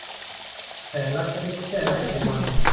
แต่ละชนิดแช่ได้กี่วัน